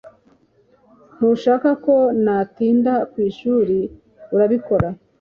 Ntushaka ko natinda ku ishuri urabikora